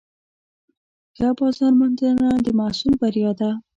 ښه بازارموندنه د محصول بریا ده.